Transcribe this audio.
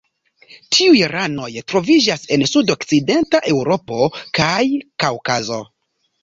Tiuj ranoj troviĝas en sudokcidenta Eŭropo kaj Kaŭkazo.